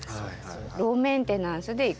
ローメンテナンスでいくもの。